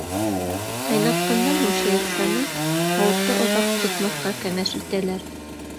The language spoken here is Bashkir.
Ҡайнатҡандан һуң шыйыҡсаны һауытта оҙаҡ тотмаҫҡа кәңәш итәләр.